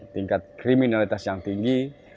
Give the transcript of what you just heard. tingkat kriminalitas yang tinggi